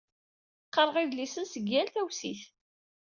Qqareɣ idlisen seg yal tawsit.